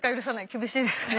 厳しいですね。